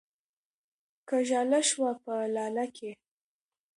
که ژاله شوه په لاله کې